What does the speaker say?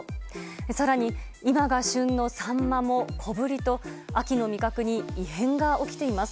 更に、今が旬のサンマも小ぶりと秋の味覚に異変が起きています。